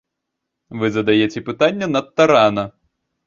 Вы задаеце пытанне надта рана.